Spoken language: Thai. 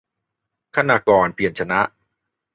คณากร เพียรชนะ